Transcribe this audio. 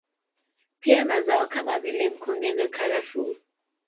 Pia mazao kama vile mkonge na karafuu